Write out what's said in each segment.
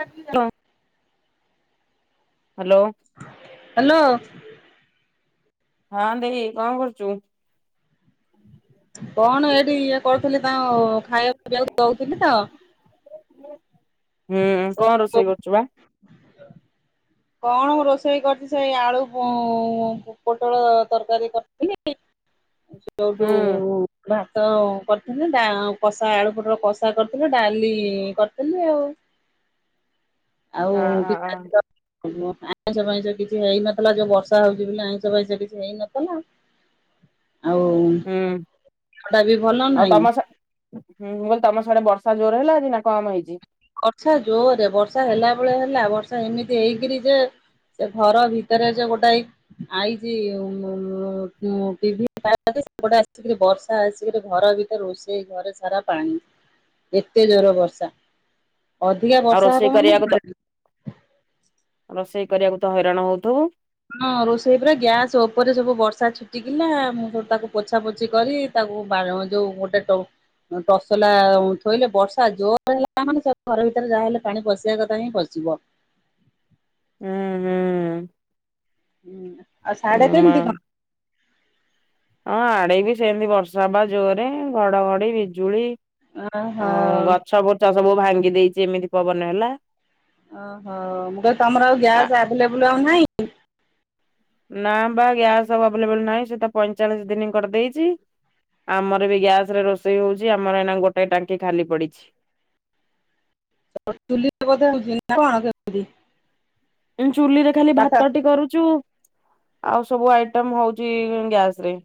Hello. Hello. Hello? ହଁ ଦେହି କଣ କରୁଚୁ? କଣ ଏଇଠି ଇଏ କରୁଥିଲି ତାଙ୍କୁ ଖାଇବା ପିଇବାକୁ ଦଉଥିଲି ତ। ହୁଁ, କଣ ରୋଷେଇ କରୁଛୁ ପା? କଣ ରୋଷେଇ କରିଛି ସେଇ ଆଳୁ ପୋ-ଅ-ଅ-ଅ ପୋଟଳ ତରକାରୀ କ [inaudible] ହୁଁ ସେଇଠୁ [inaudible] ତ କରିଥିଲି କଷା ଆଳୁ ପୋଟଳ କଷା କରିଥିଲି ଡାଲି କରିଥିଲି ଆଉ। ଆଉ [inaudible] ଅ [inaudible] ଆଇଁଷ ପାଇଁଷ କିଛି ହେଇନଥିଲା ଯୋଉ ବର୍ଷା ହଉଛି ବୋଲି ଆଇଁଷ ପାଇଁସ କିଛି ହେଇନଥିଲା। [inaudible] ଆଉ ହୁଁ [inaudible] ଟା ବି ଭଲ ଆଉ ତମ ନାହିଁ। ସା ହୁଁ, ମୁଁ କହିଲି ତମ ସେଆଡେ ବର୍ଷା ଜୋର୍ ହେଲା ଆଜି ନା କମ୍ ହେଇଛି? ବର୍ଷା ଜୋରରେ ବର୍ଷା ହେଲା ଭଳିଆ ହେଲା ବର୍ଷା ଏମିତି ହେଇକିରି ଯେ ସେ ଘର ଭିତରେ ଯେ ଗୋଟାଇ ଆଇଛି-ଇ-ଇ ଟିଭି ତାର ଯେ ସେପଟେ ଆସିକିରି ବର୍ଷା ଆସିକିରି ଘର ବି ରୋଷେଇ ଘରେ ସାରା ପାଣି ଏତେ ଜୋରରେ ବର୍ଷା। ଅଧିକା ଆଉ ବର୍ଷା ରୋଷେଇ ହବ ମାନେ କରିବାକୁ ତ ଘରେ। ରୋଷେଇ କରିବାକୁ ତ ହଇରାଣ ହଉଥୁବୁ? ହଁ ରୋଷେଇ ପୁରା, ଗ୍ୟାସ୍ ଉପରେ ସବୁ ବର୍ଷା ଛିଟିକିନା ମୁଁ ଫୁଣି ତାକୁ ପୋଛାପୋଛି କରି ତାକୁ ବାର ଯୋଉ ଗୋଟେ [inaudible] ହୁଁ ତସଲା ଥୋଇଲେ ବର୍ଷା ଜୋର୍ ହେଲା ମାନେ ସବୁ ଘର ଭିତରେ ଯାହାହେଲେ ପାଣି ପଶିବା କଥା ହିଁ ପଶିବ। ଉଁ ହୁଁ। ହୁଁ। ହୁଁ ଆଉ ସ୍ୟାଢେ ମା କେମତି କଣ? ହଁ ଆଡେ ବି ସେମତି ବର୍ଷା ପା ଜୋରେ ଘଡଘଡି ବିଜୁଳି ଆଉ ଓହୋ ଗଛ ଫୁଛ ସବୁ ଭାଙ୍ଗି ଦେଇଚି ଏମିତି ପବନ ହେଲା। ଓହୋ ମୁଁ କହିଲି ତମର ଆଉ ଆ ଗ୍ୟାସ ଆଭେଲେବୁଲ ଆଉ ନାହିଁ। ନା ପା ଗ୍ୟାସ ସବୁ ଆଭେଲେବୁଲ ଆଉ ନାହିଁ ସିଏ ତ ପଇଁଚାଳିଶ ଦିନ କରିଦେଇଚି। ଆମର ବି ଗ୍ୟାସରେ ରୋଷେଇ ହୋଉଚି ଆମର ଏଇନା ଗୋଟେ ଟାଙ୍କି ଖାଲି ପଡିଛି। [inaudible] ଚୁଲିରେ ବୋଧେ ହୋଉଚି ନା କଣ କେମିତି। ଚୁଲିରେ ଖାଲି କାଠ ଭାତଟି କରୁଚୁ। ଆଉ ସବୁ ଆଇଟମ ହୋଉଚି ଗ୍ୟାସରେ।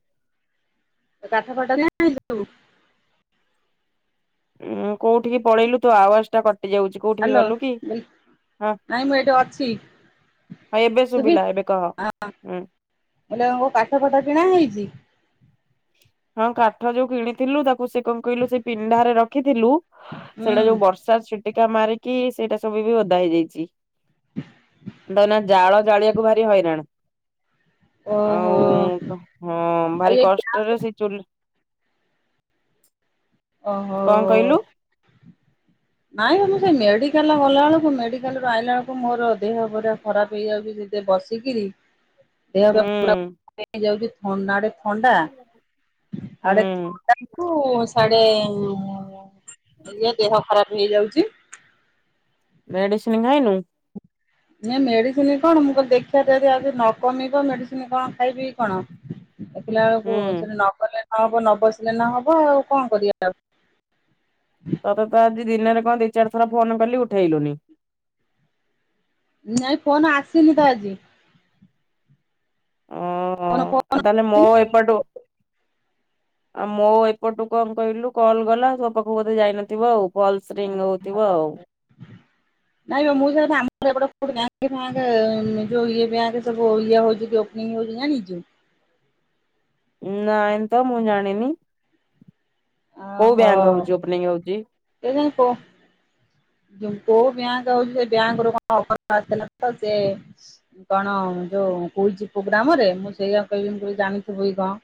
ଏ କାଠ ଫାଡ ନା ନାଇ ସବୁ ଉଁ କୋଉଠିକି ପଳେଇଲୁ ତୋ ଆୱାଜଟା କଟିଯାଉଚି ହାଲୋ ନାଇଁ ମୁଁ ଏଇଠି ଅଛି। ହଁ ଏବେ ଶୁଭି ଶୁବିଲା ଏବେ କହ ହୁଁ। ଏଲେ କଁ ପାଠ ଫାଠ କିଣା ହେଇଚି। ହଁ କାଠ ଯୋଉ କିଣିଥିଲୁ ତାକୁ ସେ କଣ କହିଲୁ ସେ ପିଣ୍ଡାରେ ରଖିଥିଲୁ ସେଇଟା ହୁଁ ଯୋଉ ବର୍ଷ୍ ସେଆ ଛିଟିକା ମାରିକି ସେଇଟା ସବୁ ବି ଓଦା ହେଇଯାଇଚି। ଦଇନ ଜାଳ ଜାଳିବାକୁ ଭାରି ହଇରାଣ। ଓହୋ ଆଉ ହଁ ଆଉ ଭାରି ଏ କଷ୍ଟରେ ସେ ଚୁଲ୍ ଓହୋ। ହ। ନାଇଁ ମୁଁ ସେ ମେଡିକାଲ ଗଲା ବେଳକୁ ମେଡିକାଲରୁ ଆଇଲା ବେଳକୁ ମୋର ଦେହ ପୁରା ଖରାପ ହେଇଯାଉଚି ସେଇ ସେ ବସିକିରି ହ। ଦେହ ପା ପୁରା [inaudible] ଯାଉଚି ଥଣ୍ଡା ଯେ ଥଣ୍ଡା ଆଉ ହୁଁ ଗୋଟେ ଥଣ୍ଡା କୁ ସ୍ୟାଡେ ଇଏ ଦେହ ଖରାପ ହେଇଯାଉଚି। ମେଡିସିନ ଖାଇନୁ? ନାଇ ମେଡିସିନ କଣ ମୁଁ କହିଲା ଦେଖିଆ ଯଦି ଆଉ ନ କମିବ ମେଡିସିନ କଣ ଖାଇବିି କଣ। ଦେଖିଲା ବେଳକୁ ହୁଁ। ସେଠି ନକଲେ ନହବ ନ ବସିଲେ ନହବ ଆଉ କଣ କରିବା। ତତେ ତ ଆଜି ଦିନରେ କଣ ଦିଚାରି ଥର ଫୋନ କଲି ଉଠେଇଲୁନି। ନାଇଁ ଫୋନ ଆସିନି ତ ଆଜି। ଓ କଣ ଫୋନ ମୁଁ ଏପଟୁ ଆଉ ମୋ ଏପଟୁ କଣ କହିଲୁ କଲ ଗଲା ତୋ ପାଖକୁ ବୋଧେ ଯାଇନଥିବ ଆଉ। ଫଲସ୍ ରିଙ୍ଗ ହୋଉଥିବ ଆଉ। ନାଇଁ ପା ମୁଁ [unintelligible] ଆମର ଏପଟେ ବ୍ୟାଙ୍କ ଫ୍ୟାଙ୍କ ଯୋଉ ଇଏ ବ୍ୟାଙ୍କ ସବୁ ଇଏ ହୋଉଚି [unintelligible] ଚି ଜାଣିଚୁ ନାଇଁ ତ ମୁଁ ଜାଣିନି କୋଉ ବ୍ୟାଙ୍କ ହୋଉଚି ଓପନିଂ ହୋଉଚି? ଏାଇନା କ ଯୋଉଁ କୋଉ ବ୍ୟାଙ୍କ ହୋଉଚି ସେ ବ୍ୟାଙ୍କରୁ କଣ ଅଫର ଆସଥିଲା ତ ସେ କଣ ଯୋଉ କୋହୁଚି ପ୍ରୋଗ୍ରାମରେ ମୁଁ ସେଇଆ କହିବି ମୁଁ କହିବି ଜାଣିଥିବୁ କି କଣ।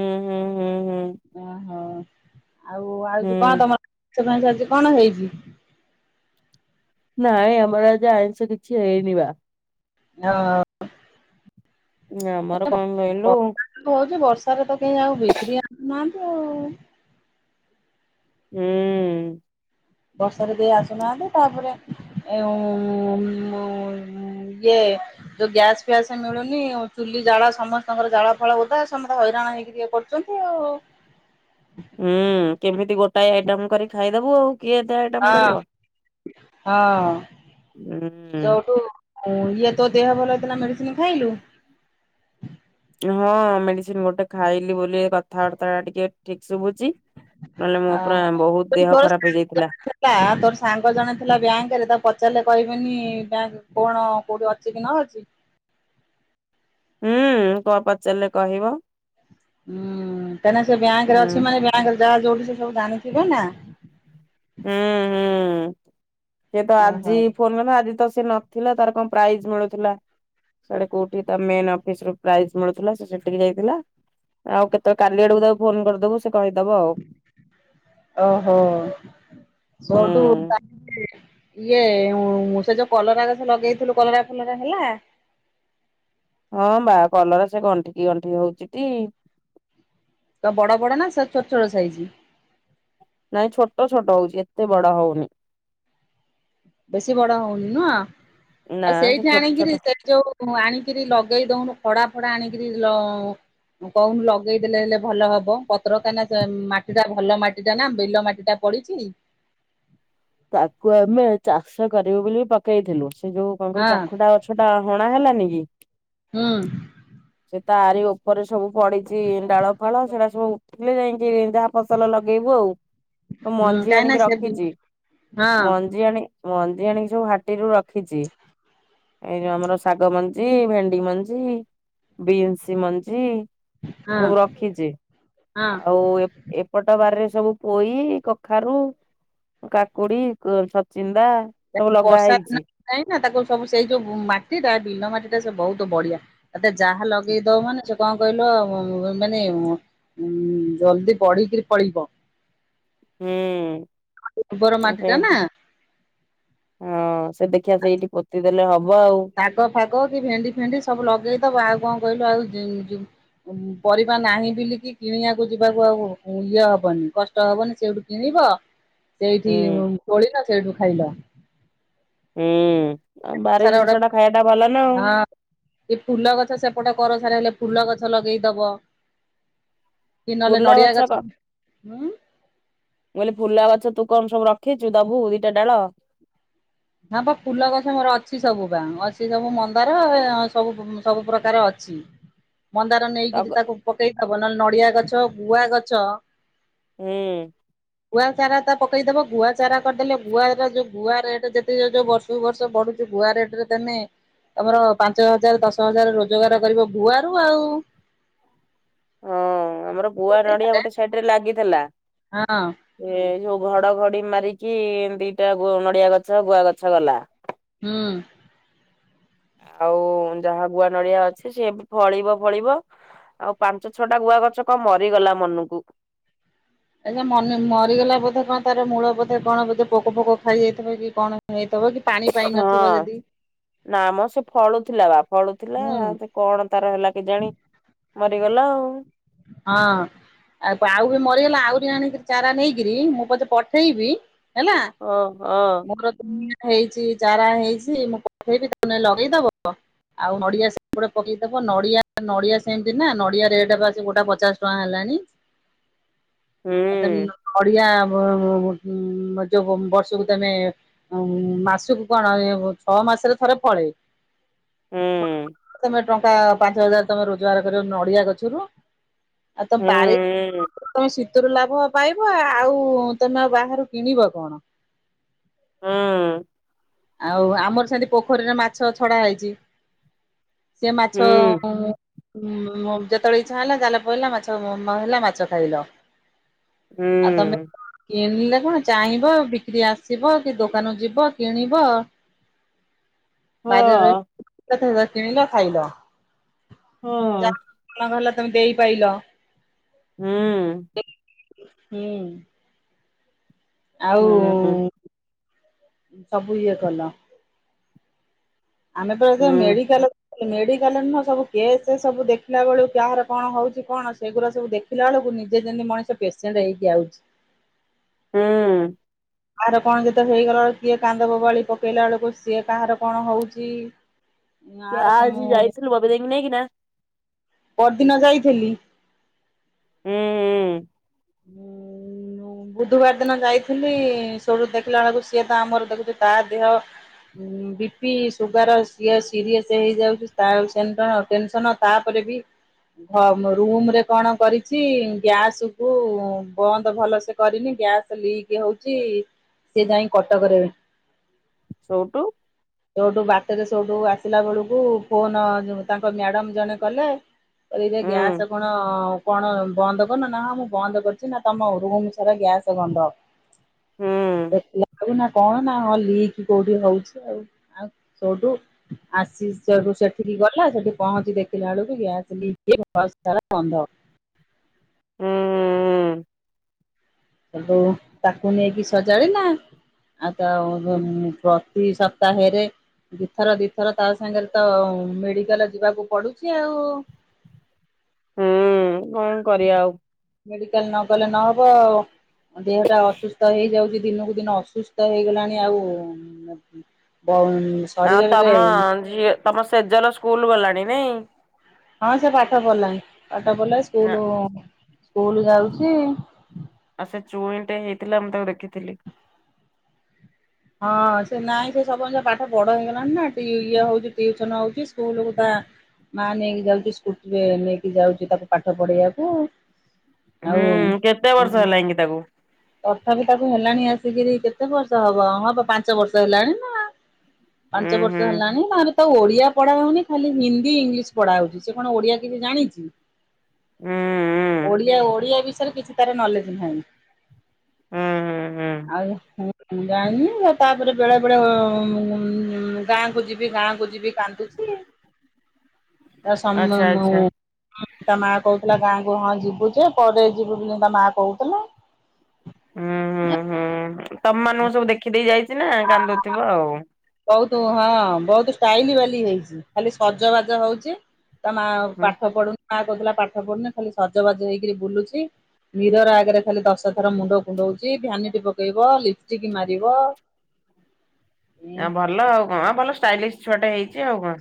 ଉଁ ହୁଁ ହୁଁ ହୁଁ। ଓହୋ ଆଉ ଆଉ ଯେ କଣ ହୁଁ ତମର [unintelligible] କଣ ହେଇଚି। ନାଇଁ ଆମର ଆଜି ଆଇଁଷ କିଛି ହେଇନି ବା। ନା ଆମର [inaudible] କଣ କହିଲୁ ହୋଉଚି ବର୍ଷାରେ ତ କେହି ଆଉ ବିକ୍ରି ଆଣୁନାହାନ୍ ଉଁ। ହୁଁ। ବର୍ଷାରେ କେହି ଆସୁନାହାନ୍ତି ତାପରେ ଏ ମୁଁ ଇଏ। ଯୋଉ ଗ୍ୟାସ ଫ୍ୟାସ ମିଳୁନି, ଉ ଚୁଲି ଜାଳ ସମସ୍ତଙ୍କର ଜାଳ ଫାଳ ଓଦା, ସମସ୍ତେ ହଇରାଣ ହେଇକିରି ଇଏ କର କରୁଚନ୍ତି ଆଉ। ହୁଁ, କେମିତି ଗୋଟାଏ ଆଇଟମ କରି ଖାଇଦବୁ ଆଉ। କିଏ ଏତେ ଆଇଟମ୍ ହଁ କରିବ, ହଁ ଉଁ ଉଁ। ଓ, ଇଏ ତୋ ଦେହ ଭଲ ହେଇଥିଲା, ମେଡିସିନି ଖାଇଲୁ? ହଁ, ମେଡିସିନ ଗୋଟେ ଖାଇଲି ବୋଲି ଏ କଥାବାର୍ତ୍ତା ଟିକେ ଠିକ୍ ଶୁଭୁଛି। ନହେଲେ ଆ ମୁଁ ପୁରା ବହୁତ, ଦେହ ଖରାପ ହେଇଯାଇଥିଲା ହେଲା, ତୋର ସାଙ୍ଗ ଜଣେ ଥିଲା ବ୍ୟାଙ୍କରେ, ତାକୁ ପଚାରିଲେ କହିବନି ବ୍ୟାଙ୍କ କଣ କୋଉଠି ଅଛି କି ନ ଅଛି? ହୁଁ, କଣ ପଚାରିଲେ କହିବ। ହୁଁ, କାହିଁକିନା ସେ ବ୍ୟାଙ୍କ ରେ ହୁଁ ଅଛି ମାନେ, ବ୍ୟାଙ୍କରେ ଯାହା ଯୋଉଠି ସେ ସବୁ ଜାଣିଥିବେ ନା। ହୁଁ ହୁଁ, ସେ ତ ଓହୋ ଆଜି ଫୋନ କ, ଆଜି ତ ସେ ନ ଥିଲା, ତାର କଣ ପ୍ରାଇଜ ମିଳୁଥିଲା। ସିଆଡ଼େ କୋଉଠି ତା ମେନ୍ ଅଫିସରୁ ପ୍ରାଇଜ୍‌ ମିଳୁଥିଲା, ସେ ସେଠିକି ଯାଇଥିଲା। ଆଉ କେତେବେଳେ, କାଲି ଆଡ଼କୁ ତାକୁ ଫୋନ କରିଦବୁ, ସେ କହିଦେବ ଆଉ। ଓହୋ, ହୁଁ। ମୋଠୁ ବାକି ଇଏ ସେ ଯୋଉ କଲରା ଗଛ ଲଗେଇଥିଲୁ, କଲରା ଫଲରା ହେଲା। ହଁ ବା, କଲରା ସେ ଗଣ୍ଠିକି ଗଣ୍ଠିକି ହଉଚି ଟି। ତ ବଡ ବଡ ନା, ସେ ଛୋଟ ଛୋଟ ସାଇଜ? ନାଇଁ ଛୋଟ ଛୋଟ ହଉଛି, ଏତେ ବଡ ହଉନି। ବେଶୀ ବଡ ହଉନି ନୁଅ, ନା ଆଉ ସେ ସେଇଠି ଛୋଟ ଛୋଟ ଆଣିକିରି ସେଠି ଯୋଉ ଆଣିକିରି ଲଗେଇ ଦଉନୁ, ଖଡା ଫଡା ଆଣିକରି ଲ କହୁନୁ ଲଗେଇଦେଲେ ହେଲେ ଭଲ ହବ, ପତ୍ର କାହିନା, ମାଟି ଟା ଭଲ ମାଟି ଟା ନା, ବିଲ ମାଟି ଟା। ପଡିଚି। ତାକୁ ଆମେ ଚାଷ କରିବୁ ବୋଲି ପକେଇଥିଲୁ, ସେ ଯୋଉ କଣ କହିଲୁ ହଁ ଚାଖୁଟା ଅଛି। ହେଟା ହଣା ହେଲାନି କି। ହୁଁ। ସେ ତାରି ଉପରେ ସବୁ ପଡିଛି ଡାଳ ଫାଳ, ସେଟା ସବୁ ଉଠିଲେ ଯାଇକି ଯାହା ଫସଲ ଲଗେଇବୁ ଆଉ, ତ ହୁଁ ମଞ୍ଜି କାହିଁକିନା ଆଣିକି ସେ ରଖିଚି। ହଁ ମଞ୍ଜି ଆଣି, ମଞ୍ଜି ଆଣିକି ସବୁ ହାଟିରୁ ରଖିଛି। ଏଇ ଯଉ ଆମର ଶାଗ ମଞ୍ଜି, ଭେଣ୍ଡି ମଞ୍ଜି, ବିନ୍ସି ମଞ୍ଜି। ହଁ ହଁ। ଉ ଏପଟ ବାରିରେ ସବୁ ପୋଇ, କଖାରୁ କାକୁଡି, ସଚିନ୍ଦା। ବର୍ଷା ଦିନ ଯାଇ ନା, ତାକୁ ସବୁ ସେଇ ଯୋଉ ମାଟି ତା ବିଲ ମାଟି ଟା, ସେ ବହୁତ ବଢିଆ। ଏତେ ଯାହା ଲଗେଇ ଦଉ ମାନେ କଣ କହିଲ ମାନେ ଜଲଦି ପଢିକିରି ପଳିବ। ହୁଁ ଉଁ। ଗୋବର ମାଟିଟାନା। ହଁ, ସେ ଦେଖିଆ ସେଇଠି ପୋତିଦେଲେ ହବ ଆଉ। ଶାଗ ଫାଗ, କି ଭେଣ୍ଡି ଫେଣ୍ଡି ସବୁ ଲଗେଇଦବ, ଆଉ କଣ କହିଲୁ ଆଉ ପରିବା ନାହିଁ ବିଲିକି କିଣିବାକୁ ଯିବାକୁ ଆଉ ଇଏ ହବନି, କଷ୍ଟ ହବନି, ସେଇଠୁ କିଣିବ। [inaudible] ସେଇଠି ହୁଁ ତୋଳିଲ, ସେଇଠୁ ଖାଇଲ। ହୁଁ, ଆଉ ସେପଟ ବାରି ସାରା ଗୋଟେ ଜିନିଷ ଟା ଖାଇବା ଟା ଭଲ ନା ଆଉ। ହଁ ଏ ଫୁଲ ଗଛ ସେପଟେ କର ସାରା ହେଲେ ଫୁଲ ଗଛ ଲଗେଇଦବ। କି ନହେଲେ ଫୁଲ ନଡିଆ ଗଛ ପା ହୁଁ ମୁଁ କହିଲି ଫୁଲ ଗଛ ତୁ କଣ ସବୁ ରଖିଛୁ? ଦବୁ ଦିଟା ଡାଳ। ହଁ ପା, ଫୁଲ ଗଛ ମୋର ଅଛି ସବୁ ପା, ଅଛି ସବୁ ମନ୍ଦାର, ସବୁ ସବୁ ପ୍ରକାର ଅଛି। [inaudible] ମନ୍ଦାର ନେଇକି ଟଗ ତାକୁ ପକେଇଥବ ନହେଲେ ନଡିଆ ଗଛ, ଗୁଆ ଗଛ। ହୁଁ ଗୁଆ ଚାରା ତା ପକେଇଦବ ଗୁଆ ଚାରା କରିଦେଲେ ଗୁଆର ଯୋଉ ଗୁଆ ରେଟ ଯୋଉ ବର୍ଷକୁ ବର୍ଷ ବଢୁଛି ଗୁଆ ରେଟ ରେ ତମେ ତମର ପାଞ୍ଚ ହଜାର ଦଶ ହଜାର ରୋଜଗାର କରିବ ଭୁଆ ର ଆଉ। ହଁ ଆମର ଗୁଆ ନଡିଆ ଗୋଟେ ସାଇଡ ରେ ଲାଗିଥିଲା ହଁ। ଏ ଯୋଉ ଘଡଘଡି ମାରିକି ଦିଟା ନଡିଆ ଗଛ, ଗୁଆ ଗଛ ଗଲା। ହଁ। ଆଉ ଯାହା ଗୁଆ ନଡିଆ ଅଛି ସେ ଫଳିବ, ଫଳିବ ଆଉ ପାଞ୍ଚ ଛଅଟା ଗୁଆ ଗଛ କଣ ମରିଗଲା ମନକୁ। ଆଚ୍ଛା ମନ ମରିଗଲା ବୋଧେ କଣ ତାର ମୂଳ ବୋଧେ କଣ ବୋଧେ ପୋକ ପୋକ ଖାଇଯାଇଥିବ କି କଣ ହେଇଥିବ କି। ପାଣି ପାଇ ହଁ ନଥିବ ଯଦି ନା ମ ସେ ଫଳୁଥିଲା ବା ଫଳୁଥିଲା ହୁଁ କଣ ତାର ହେଲା କେଜାଣି ମରିଗଲା ଆଉ। ହଁ। ଆଉ ଆଉ ବି ମରିଗଲା ଆହୁରି ଆଣିକିରି ଚାରା ନେଇକିରି ମୁଁ ପଛେ ପଠେଇବି ହେଲା ହ ହ। ମୋର ଦୁଆ ହେଇଛି, ଚାରା ହେଇଛି, ମୁଁ ପଠେଇବି ତମେ ଟିକେ ଲଗେଇଦବ। ଆଉ ନଡିଆ ସବୁ ଗଟେ ପକେଇଦବ, ନଡିଆ ନଡିଆ ସେମିତି ନା ନଡିଆରେ ଏଟା ବା ସେ ଗୋଟା ପଚାଶ ଟଙ୍କା ହେଲାଣି। ଆଉ ହୁଁ। ନଡିଆ ଯୋଉ ବର୍ଷକୁ ତମେ ମାସକୁ କଣ ଇଏ ଛଅ ମାସରେ ଥରେ ଫଳେ। ହୁଁ ତମେ ଟଙ୍କା ପାଞ୍ଚ ହଜାର ତମେ ରୋଜଗାର କରିବ ନଡିଆ ଗଛରୁ ଆଉ ତ ବାରି ହୁଁ ତମେ ଶୀତରୁ ଲାଭ ପାଇବ ଆଉ ତମେ ଆଉ ବାହାରୁ କିଣିବ କଣ? ହଁ। ଆଉ ଆମର ସେମିତି ପୋଖରୀରେ ମାଛ ଛଡ଼ା ହେଇଛି ସେ ମାଛ ହୁଁ ଯେତେବେଳେ ଇଚ୍ଛା ହେଲା, ଜାଲ ପଡିଲା ମାଛ ହେଲା, ମାଛ ଖାଇଲ। ହୁଁ। ଆଉ ତମେ କିଣିଲେ କଣ ଚାହିଁବ, ବିକ୍ରି ଆସିବ କି ଦୋକାନ ଯିବ, କିଣିବ। ହ ବାରିରେ ହଁ ରହି କେତେ ବେଳେ କିଣିଲ ଖାଇଲ। ହଁ। କଣ ହେଲା ତମେ ଦେଇ ପାଇଲ। ହୁଁ। ହୁଁ। ଆଉ ହୁଁ ସବୁ ଇଏ କଲ। ଆମେ ତ ଏବେ ହୁଁ ମେଡିକାଲ ମେଡିକାଲ ରେ ନୁହଁ ସବୁ କେସ୍ ସବୁ ଦେଖିଲା ବେଳୁକୁ କାହାର କଣ ହଉଛି କଣ ସେଗୁଡା ସବୁ ଦେଖ ଆସିଲାବେଳକୁ ନିଜେ ଯେମତି ମଣିଷ ପେସେଣ୍ଟ ହେଇକି ଆଉଛି। ହୁଁ। କାହାର କଣ ଯେତେ ହେଇଗଲା ବେଳକୁ, କିଏ କାନ୍ଦ ବୋବାଳି ପକେଇଲା ବେଳକୁ, ସିଏ କାହାର କଣ ହଉଛି। ଯ ଆର ଆଜି ମୁଁ ଯାଇଥିଲୁ ବବି ଦେଇ ଙ୍କୁ ନେଇ କିିନା ପହର ଦିନ ଯାଇଥିଲି। ହୁଁ। ବୁଧବାର ଦିନ ଯାଇଥିଲି, ସେଠୁ ଦେଖିଲା ବେଳକୁ ସିଏ ତ ଆମର ଦେଖୁଛି ତା ଦେହ ବି ପି ସୁଗାର ସେଏ ସିରିଅସ୍ ହେଇଯାଉଛି ତାର ଟେନସନ। ତାପରେ ବି ରୁମ ରେ କଣ କରିଛି ଗ୍ୟାସ କୁ ବନ୍ଦ ଭଲ ସେ କରିନି ଗ୍ୟାସ୍ ଲିକ୍ ହଉଛି ସେ ଯାଇ କଟକରେ ସେଇଠୁ। ସେଇଠୁ ବାଟରେ ସେଉଠୁ ଆସିଲା ବେଳକୁ ଫୋନ ତାଙ୍କ ମ୍ୟାଡମ ଜଣେ କଲେ ଏଇ ଗ୍ୟାସ ହୁଁ କଣ କଣ ବନ୍ଦ କରୁନ ନାଁ ହଁ ମୁଁ ବନ୍ଦ କରିଛି ନା ତମ ରୁମ ଘର ସାରା ଗ୍ୟାସ ଗନ୍ଧ ସଉଟୁ [inaudible] କଣ ନା ହଁ ଲିକ କୋଉଠି ହଉଛି ଆଉ ଆଉ ସେଉଠୁ ଆସି ଚ ସେଠୀକି ଗଲେ। ହେ ସେଠି ପହଞ୍ଚି ଦେଖିଲା ବେଳକୁ ଗ୍ୟାସଲିକ ହେଇ ଘର ସାରା ଗନ୍ଧ। ହୁଁ। ତାକୁ ତାକୁ ନେଇକି ସଜାଡିଲା ଆଉ ତା ହୁଁ ଏଇ ସପ୍ତାହେରେ ଦିଥର ଦିଥର ତା ସାଙ୍ଗରେ ତ ମେଡିକାଲ ଯିବାକୁ ପଡୁଛି ଆଉ ହୁଁ କଣ କରିବା ଆଉ। ମେଡିକାଲ ନ ଗଲେ ନହବ ଆଉ ଦେହ ଟା ଅସୁସ୍ଥ ହେଇଯାଉଛି ଦିନକୁ ଦିନ ଅସୁସ୍ଥ ହେଇଗଲାଣି ଆଉ ବ ଆଉ ଶରୀରରେ ତମ ଝିଅ ତମ ସେଜଲ ସ୍କୁଲ ଗଲାଣି ନାଇଁ। ହଁ ସେ ପାଠ ପଢିଲାଣି ପାଠ ପଢିଲା ସ୍କୁଲ ସ୍କୁଲ ଯାଉଛି। ଆଉ ସେ ଚୁଇଁଟେ ହେଇଥିଲା ମୁଁ ତାକୁ ଦେଖିଥିଲି। ହଁ ସେ ନାଇଁ ସେ ସବୁ ଜିନିଷ ପାଠ ବଡ ହେଇଗଲାଣି ନା ଇଏ ହଉଛି ଟିଉସନ ହଉଛି ସ୍କୁଲକୁ ଯା ମା ନେଇକି ଯାଉଛି ସ୍କୁଟି ରେ ନେଇକି ଯାଉଛି ତାକୁ ପାଠ ପଢେଇବାକୁ। ଆଉ ହୁଁ କେତେ ବର୍ଷ ହୁଁ ହେଲାଣି କିି ତାକୁ? ତଥାପି ତାକୁ ହେଲାଣି ଆସିକିରି କେତେ ବର୍ଷ ହବ। ହଁ ବା ପାଞ୍ଚ ବର୍ଷ ହେଲାଣି ନା ଉଁ ପାଞ୍ଚ ହୁଁ ବର୍ଷ ହେଲାଣି ତ ଓଡିଆ ପଢା ହଉନି ଖାଲି ହିନ୍ଦୀ ଇଂଲିଶ ପଢା ହଉଛି ସେ କଣ ଓଡିଆ କିଛି ଜାଣିଛି। ହୁଁ ହୁଁ ଓଡିଆ ଓଡିଆ ବିଷୟରେ କିଛି ତାର ନଲେଜ ନାହିଁ। ହୁଁ ହୁଁ ହୁଁ ଆଉଁ ଜାଣିିନି। ତାପରେ ବେଳେ ବେଳେ ଗାଁ କୁ ଯିବି ଗାଁ କୁ ଯିବି କାନ୍ଦୁଛି। ଏ ସମ୍ ଆଚ୍ଛା ଆଚ୍ଛା। [unintelligible] ହଁ ତା ମା କହୁଥିଲା ଗାଁକୁ ହଁ ଯିବୁ ଯେ ପରେ ଯିବୁ ବୋଲି ତା ମା କହୁଥିଲା। ହୁଁ ହୁଁ ହୁଁ ତମମାନଙ୍କୁ ସବୁ ଦେଖିଦେଇ ଯାଇଛି ନା କାନ୍ଦୁଥିବ ଆଉ। ବହୁତ ହଁ ବହୁତ ଷ୍ଟାଇଲି ବାଲି ହେଇଛି ଖାଲି ସଜବାଜ ହଉଛି ତା ମା ହୁଁ ପାଠ ପଢୁନି ମା କହୁଥିଲା ପାଠ ପଢୁନି ଖାଲି ସଜବାଜ ହେଇକିରି ବୁଲୁଛି। ମିରର୍ ଆଗରେ ଖାଲି ଦଶ ଥର ମୁଣ୍ଡ କୁଣ୍ଡଉଚି ଭ୍ୟାନିଟି ପକେଇବ ଲିପ ଚିକି ମାରିବ। ଏମ ଆ ଭଲ ଆଉ କଣ ଭଲ ଷ୍ଟାଇଲିଶ ଛୁଆଟେ ହେଇଛି ଆଉ କଣ।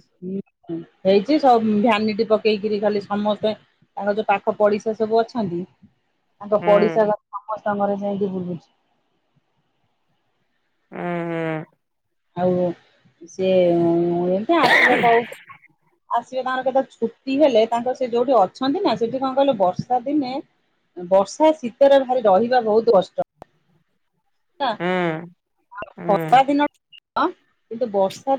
ହେଇଛି ସବୁ ଭ୍ୟାନିଟି ପକେଇକିରି ଖାଲି ସମସ୍ତେ ତାଙ୍କ ଯୋଉ ପାଖ ପଡିଶା ସବୁ ଅଛନ୍ତି ତାଙ୍କ ହୁଁ। ପଡିଶା ଘ ସମସ୍ତଘରେ ଯାଇକି ବୁଲୁଛି। ଉଁ ହୁଁ ଆଉ ସିଏ ଏମିତି ଆସିବ କହୁ ଆସିବେ ତାଙ୍କର କେତେ ଛୁଟି ହେଲେ ତାଙ୍କର ସେ ଯୋଉଠି ଅଛନ୍ତି ନା ସେଠି କଣ କହିଲ ବର୍ଷା ଦିନେ ବର୍ଷା ଶୀତରେ ଭାରି ରହିବା ବହୁତ କଷ୍ଟ। ହୁଁ ହୁଁ ହୁଁ। ଖରା ଦିନ କିନ୍ତୁ ବର୍ଷା [unintelligible]